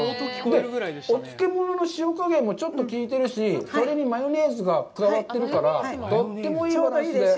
お漬物の塩加減もきいてるし、それにマヨネーズが加わってるからとってもいいです。